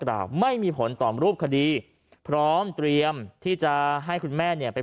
ไม่มีผลต่อรูปคดีพร้อมเตรียมที่จะให้คุณแม่เนี่ยไป